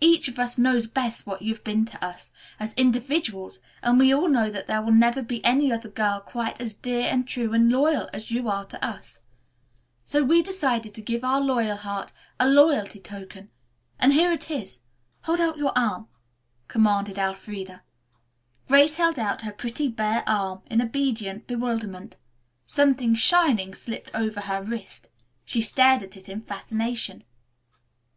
Each of us knows best what you've been to us, as individuals, and we all know that there will never be any other girl quite as dear, and true, and loyal as you are to us. So we decided to give our Loyalheart a loyalty token, and here it is. Hold out your arm," commanded Elfreda. [Illustration: "We Decided to Give Our Loyalheart a Loyalty Token."] Grace held out her pretty, bare arm in obedient bewilderment. Something shining slipped over her wrist. She stared at it in fascination.